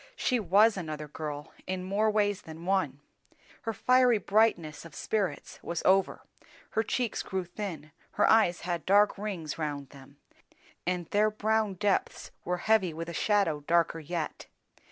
she was another girl in more ways than one; her fiery brightness of spirits was over, her cheeks grew thin, her eyes had dark rings round them, and their brown depths were heavy with a shadow darker yet.